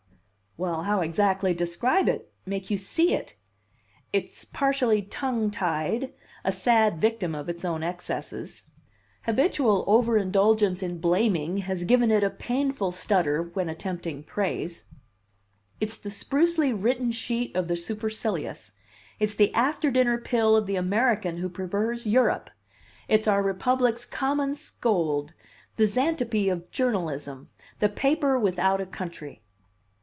well!... how exactly describe it?... make you see it?... It's partially tongue tied, a sad victim of its own excesses. Habitual over indulgence in blaming has given it a painful stutter when attempting praise; it's the sprucely written sheet of the supercilious; it's the after dinner pill of the American who prefers Europe; it's our Republic's common scold, the Xantippe of journalism, the paper without a country."